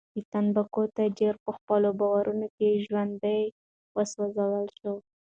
د تنباکو تاجر په خپلو بارونو کې ژوندی وسوځول شو.